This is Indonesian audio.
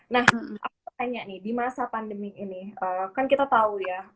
nah aku tanya nih di masa pandemi ini kan kita tahu ya